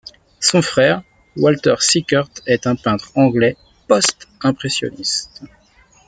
Son frère, Walter Sickert est un peintre anglais postimpressionniste.